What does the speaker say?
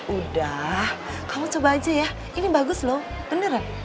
udah kamu coba aja ya ini bagus loh beneran